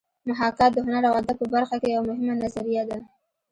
محاکات د هنر او ادب په برخه کې یوه مهمه نظریه ده